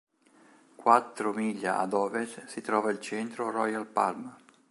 Quattro miglia ad ovest si trova il Centro Royal Palm.